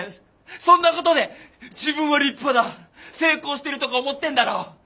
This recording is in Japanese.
そんなことで自分を立派だ成功してるとか思ってんだろ。